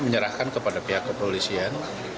menyerahkan kepada pihak kepolisian